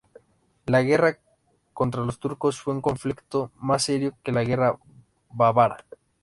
La guerra contra los turcos fue un conflicto más serio que la guerra bávara.